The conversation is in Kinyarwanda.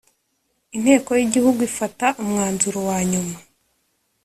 Inteko yIgihugu ifata umwanzuro wa nyuma